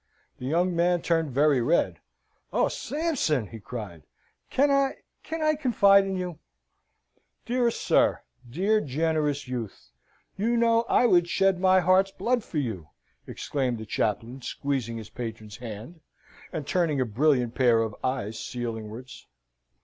The young man turned very red. "Oh, Sampson!" he cried, "can I can I confide in you?" "Dearest sir dear generous youth you know I would shed my heart's blood for you!" exclaimed the chaplain, squeezing his patron's hand, and turning a brilliant pair of eyes ceilingwards.